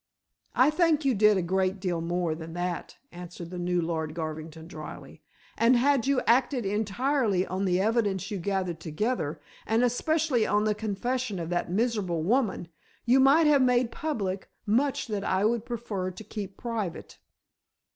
"I think you did a great deal more than that," answered the new Lord Garvington dryly, "and had you acted entirely on the evidence you gathered together, and especially on the confession of that miserable woman, you might have made public much that I would prefer to keep private.